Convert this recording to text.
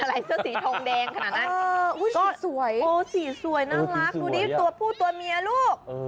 สีท้องแดงขนาดนี้สีสวยน่ารักพูดตัวเมียลูก